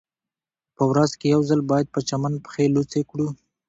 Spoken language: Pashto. په ورځ کې یو ځل باید په چمن پښې لوڅې کړو